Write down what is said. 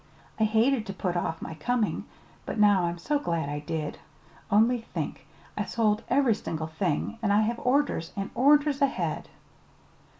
I hated to put off my coming; but now I'm so glad I did. Only think! I sold every single thing, and I have orders and orders ahead."